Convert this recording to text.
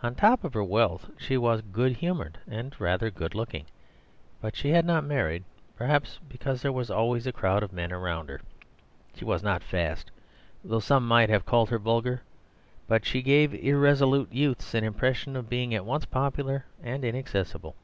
On top of her wealth she was good humoured and rather good looking; but she had not married, perhaps because there was always a crowd of men around her. She was not fast (though some might have called her vulgar), but she gave irresolute youths an impression of being at once popular and inaccessible.